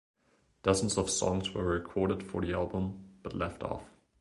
Dozens of songs were recorded for the album but left off.